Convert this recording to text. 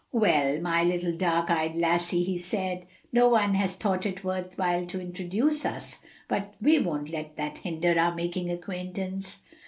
"Well, my little dark eyed lassie," he said, "no one has thought it worth while to introduce us, but we won't let that hinder our making acquaintance.